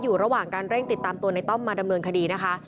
อยู่ระหว่างการเร่งติดตามตัวในต้อมมาดำเนินคดีนะคะ